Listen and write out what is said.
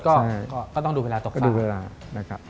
ก็ต้องดูเวลาตกฝาม